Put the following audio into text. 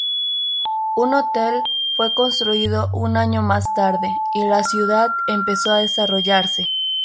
Un hotel fue construido un año más tarde, y la ciudad empezó a desarrollarse.